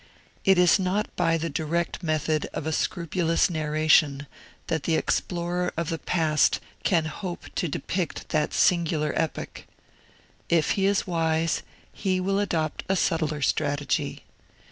It is not by the direct method of a scrupulous narration that the explorer of the past can hope to depict that singular epoch. If he is wise, he will adopt a subtler strategy.